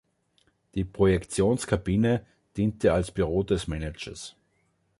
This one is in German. Die Projektionskabine diente als Büro des Managers.